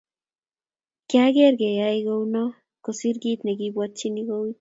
kiang'er keyai kou noee kosiir kiit nekiobwotyini kouit